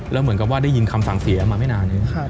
แล้วเหมือนกับว่าได้ยินคำสั่งเสียมาไม่นานเอง